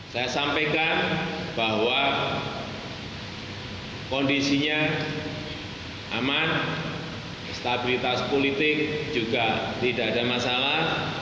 saya sampaikan bahwa kondisinya aman stabilitas politik juga tidak ada masalah